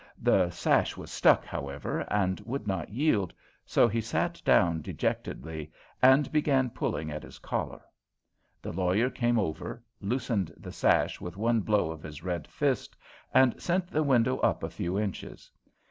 The sash was stuck, however, and would not yield, so he sat down dejectedly and began pulling at his collar. The lawyer came over, loosened the sash with one blow of his red fist and sent the window up a few inches.